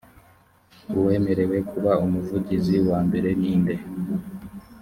uwemerewe kuba umuvugizi wa mbere ni nde‽